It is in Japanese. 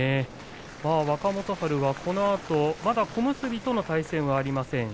若元春は、このあとまだ小結との対戦がありません。